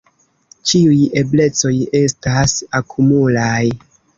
Ĉiuj eblecoj estas akumulaj.